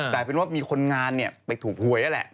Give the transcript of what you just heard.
แต่เป็นว่ามีคนงานเนี่ยไปถูกหวยนั่นแหละ